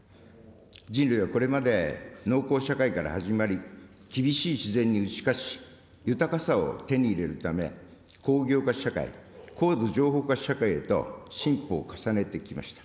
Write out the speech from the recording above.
人類はこれまで、農耕社会から始まり、厳しい自然に打ち勝ち、豊かさを手に入れるため、工業化社会、高度情報化社会へと進歩を重ねてきました。